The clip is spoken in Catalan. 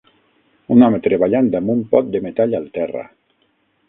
Un home treballant amb un pot de metall al terra.